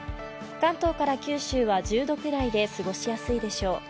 関東から九州は１０度くらいで過ごしやすいでしょう。